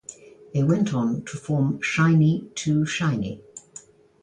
They went on to form Shiny Two Shiny.